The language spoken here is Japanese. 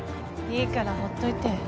いいからほっといて。